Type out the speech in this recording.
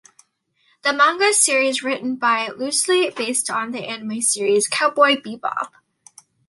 The manga series written by loosely based on the anime series "Cowboy Bebop".